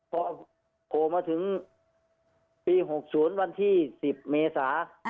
พอโผล่มาถึงปี๖๐วันที่๑๐เมษา